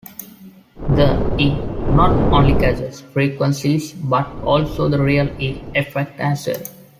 The "e" not only catches frequencies, but also the real "e" effects as well.